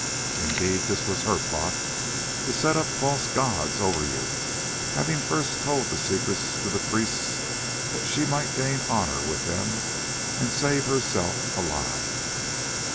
Indeed this was her plot, to set up false gods over you, having first told the secret to the priests that she might gain honour with them and save herself alive.